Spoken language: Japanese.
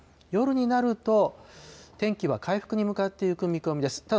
夜になると、天気は回復に向かっていく見込みです。